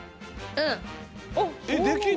うん。